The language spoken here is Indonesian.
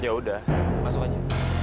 yaudah masuk aja